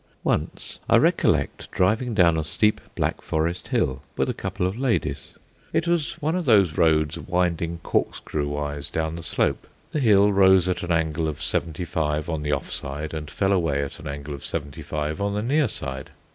Once I recollect driving down a steep Black Forest hill with a couple of ladies. It was one of those roads winding corkscrew wise down the slope. The hill rose at an angle of seventy five on the off side, and fell away at an angle of seventy five on the near side.